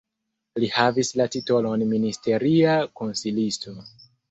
Li havis la titolon ministeria konsilisto.